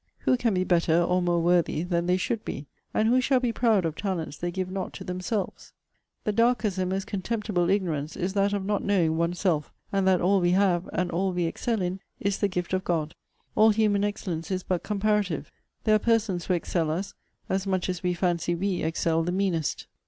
'Who can be better, or more worthy, than they should be? And, who shall be proud of talents they give not to themselves?' 'The darkest and most contemptible ignorance is that of not knowing one's self; and that all we have, and all we excel in, is the gift of God.' 'All human excellence is but comparative there are persons who excel us, as much as we fancy we excel the meanest.'